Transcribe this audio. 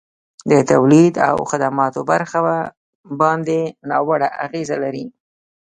د تولید او خدماتو برخه باندي ناوړه اغیزه لري.